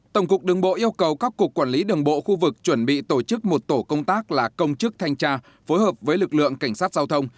tổng cục đường bộ yêu cầu các cục quản lý đường bộ khu vực chuẩn bị tổ chức một tổ công tác là công chức thanh tra phối hợp với lực lượng cảnh sát giao thông